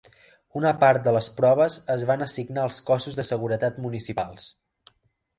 Una part de les proves es van assignar als cossos de seguretat municipals.